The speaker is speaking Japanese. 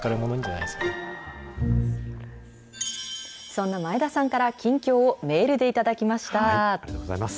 そんな前田さんから近況をメールで頂きました。